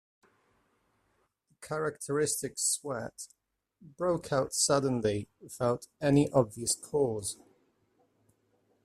The characteristic sweat broke out suddenly without any obvious cause.